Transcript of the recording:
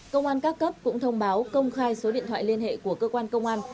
công an các cấp cũng thông báo công khai số điện thoại liên hệ của cơ quan công an